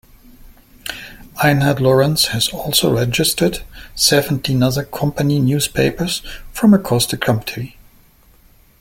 Einhart Lorenz has also registered seventeen other company newspapers from across the country.